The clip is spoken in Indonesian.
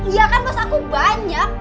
iya kan pas aku banyak